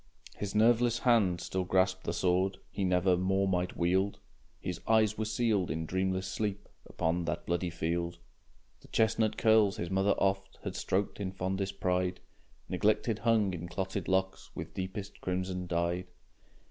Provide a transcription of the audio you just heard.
His nerveless hand still grasped the sword. He never more might wield, His eyes were sealed in dreamless sleep Upon that bloody field. The chestnut curls his mother oft Had stroked in fondest pride, Neglected hung in clotted locks, With deepest crimson dyed.